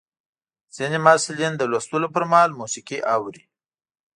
ځینې محصلین د لوستلو پر مهال موسیقي اوري.